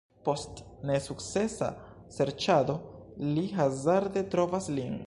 Post nesukcesa serĉado, li hazarde trovas lin.